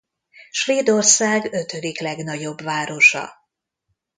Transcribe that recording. Svédország ötödik legnagyobb városa.